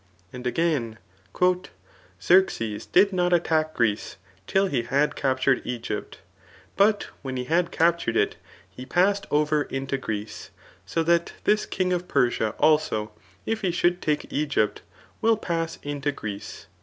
And again, Xerxes did not attack Greece till he had captured Egypt ; but when he had captured it, he passed over into Greece; so that this king [of Persia] also, if he should take Egypt will pass into Greece.